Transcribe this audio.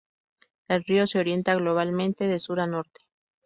El río se orienta globalmente de sur a norte.